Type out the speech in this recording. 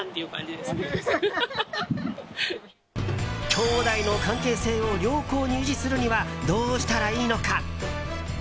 きょうだいの関係性を良好に維持するにはどうしたらいいのか？